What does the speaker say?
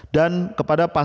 dan kepada pasar